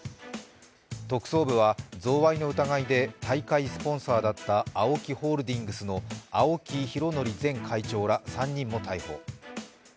特捜部は贈賄の疑いで大会スポンサーだったＡＯＫＩホールディングスの青木拡憲前会長ら３人も逮捕。